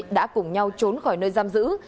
đã cùng nhau trốn khỏi nơi giam giữ